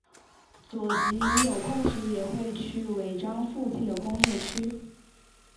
佐吉有空时也会去尾张附近的工业区。